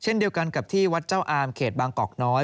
เช่นเดียวกันกับที่วัดเจ้าอามเขตบางกอกน้อย